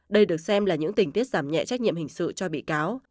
đây được xem là những tình tiết giảm nhẹ trách nhiệm hình sự cho bị cáo